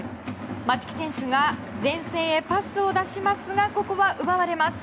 松木選手が前線へパスを出しますが奪われます。